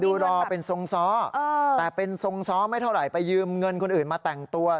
รอเป็นทรงซ้อแต่เป็นทรงซ้อไม่เท่าไหร่ไปยืมเงินคนอื่นมาแต่งตัว